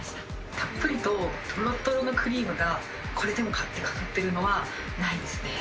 たっぷりととろとろのクリームが、これでもかってかかっているのはないですね。